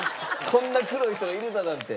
こんな黒い人がいるだなんて。